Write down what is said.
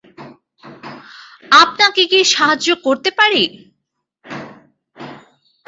আপনাকে কি সাহায্য করতে পারি?